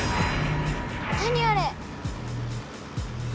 何あれ！